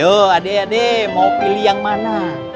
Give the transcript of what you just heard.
ayo adek adek mau pilih yang mana